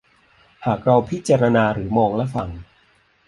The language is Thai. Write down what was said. หากเราพิจารณาหรือมองและฟัง